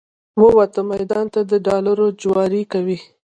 ووته میدان ته د ډالرو جواري کوي